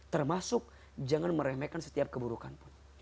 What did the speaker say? termasuk jangan meremehkan setiap keburukan pun